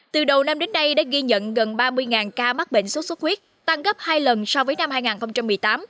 từ đầu năm đến nay đã ghi nhận gần ba mươi ca mắc bệnh sốt xuất huyết tăng gấp hai lần so với năm hai nghìn một mươi tám